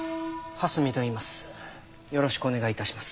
蓮見といいます。